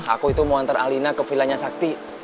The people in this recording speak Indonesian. aku itu mau antar alina ke villanya sakti